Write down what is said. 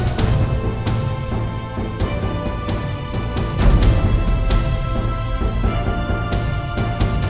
ini sekarang ada di depan azmi